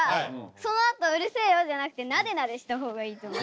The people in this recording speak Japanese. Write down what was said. そのあと「うるせえよ！」じゃなくてなでなでした方がいいと思う。